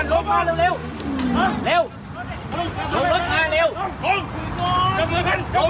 ลงมาลงมาลงมาลงมาก่อนลงมาเร็วเร็วเร็วลงรถมาเร็ว